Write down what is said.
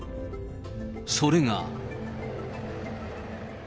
それが。